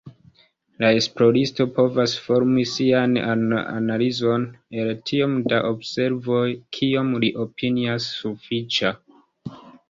La esploristo povas formi sian analizon el tiom da observoj, kiom li opinias sufiĉa.